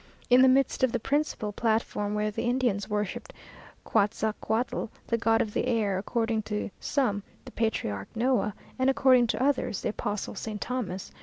In the midst of the principal platform, where the Indians worshipped Quetzalcoatl, the god of the air (according to some the patriarch Noah, and according to others the apostle Saint Thomas!